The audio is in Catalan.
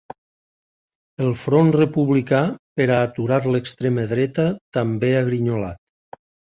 El front republicà per a aturar l’extrema dreta també ha grinyolat.